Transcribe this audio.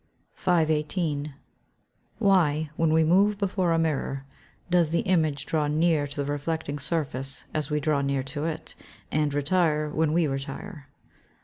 518. _Why, when we move before a mirror, does the image draw near to the reflecting surface as we draw near to it, and retire when we retire?